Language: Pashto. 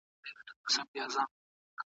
ډاکټر صاحب، مهرباني وکړئ اوږده پاڼه ړنګه کړئ.